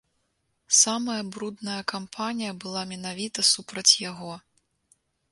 Самая брудная кампанія была менавіта супраць яго.